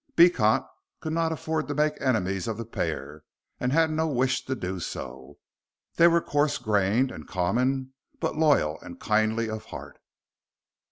Beecot could not afford to make enemies of the pair, and had no wish to do so. They were coarse grained and common, but loyal and kindly of heart.